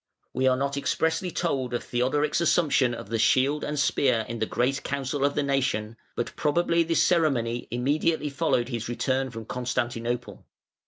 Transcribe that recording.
We are not expressly told of Theodoric's assumption of the shield and spear in the great Council of the nation, but probably this ceremony immediately followed his return from Constantinople.